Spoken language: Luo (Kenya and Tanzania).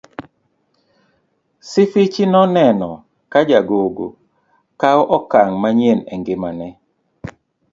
Sifichi noneno ka jagogo kawo okang' manyien e ngimane.